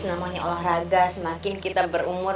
namanya olahraga semakin kita berumur